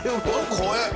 怖え！